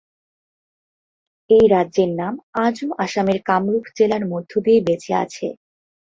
এই রাজ্যের নাম আজও আসামের কামরূপ জেলার মধ্য দিয়ে বেঁচে আছে।